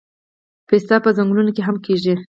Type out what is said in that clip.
پسته په ځنګلونو کې هم کیږي